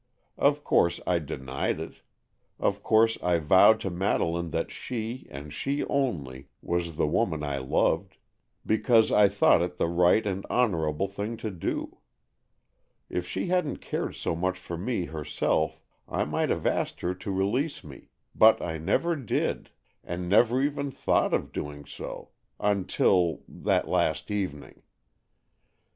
Of course I denied it; of course I vowed to Madeleine that she, and she only, was the woman I loved; because I thought it the right and honorable thing to do. If she hadn't cared so much for me herself, I might have asked her to release me; but I never did, and never even thought of doing so—until—that last evening.